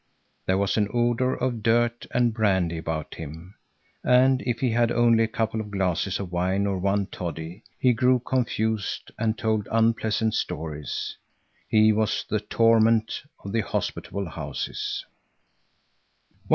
There was an odor of dirt and brandy about him, and if he had only a couple of glasses of wine or one toddy, he grew confused and told unpleasant stories. He was the torment of the hospitable houses.